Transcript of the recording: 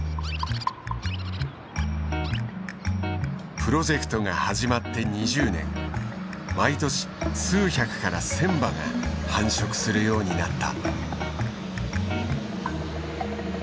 プロジェクトが始まって２０年毎年数百から千羽が繁殖するようになった。